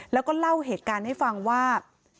แล้วก็เล่าเหตุการณ์ให้ฟังว่า